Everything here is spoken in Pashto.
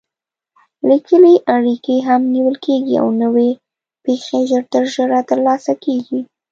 لیکلې اړیکې هم نیول کېږي او نوې پېښې ژر تر ژره ترلاسه کېږي.